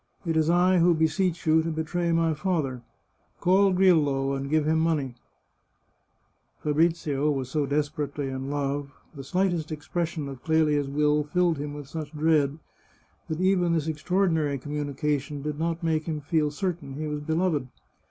It is I who beseech you to betray my father ! Call Grillo, and give him money !" Fabrizio was so desperately in love, the slightest ex pression of Clelia's will filled him with such dread, that even this extraordinary communication did not make him feel certain he was beloved.